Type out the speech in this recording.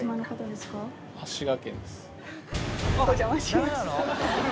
お邪魔しました。